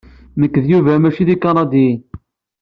Nekk d Yuba mačči d Ikanidiyen.